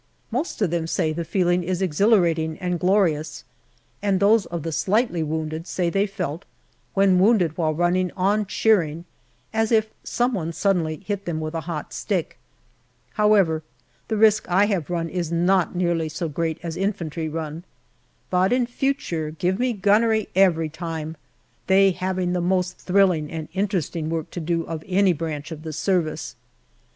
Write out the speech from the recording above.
Most of them say the feeling is exhilarating and glorious, and those of the slightly wounded say they felt, when wounded while running on cheering, as if some one suddenly hit them with a hot stick. However, the risk I have run is not nearly so great as infantry run ; but in future give me gunnery every time, they having the most thrilling and interesting work to do of any branch of the Service.